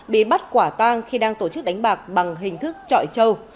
bị bắt quả tang khi đang tổ chức đánh bạc bằng hình thức trọi trâu